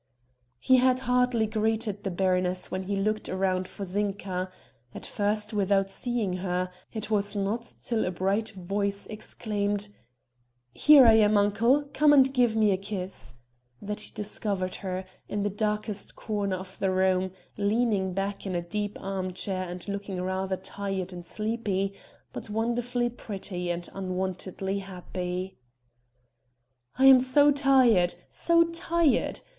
He had hardly greeted the baroness when he looked round for Zinka at first without seeing her; it was not till a bright voice exclaimed: "Here I am, uncle, come and give me a kiss," that he discovered her, in the darkest corner of the room, leaning back in a deep arm chair and looking rather tired and sleepy but wonderfully pretty and unwontedly happy. "I am so tired, so tired!